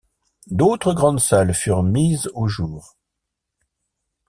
D'autres grandes salles furent mises au jour.